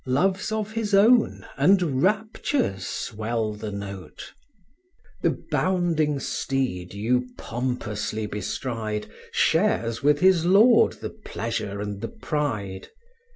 Loves of his own and raptures swell the note. The bounding steed you pompously bestride, Shares with his lord the pleasure and the pride.